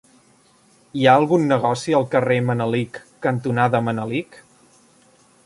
Hi ha algun negoci al carrer Manelic cantonada Manelic?